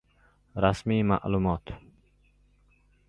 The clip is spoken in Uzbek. Rasmiy ma’lumot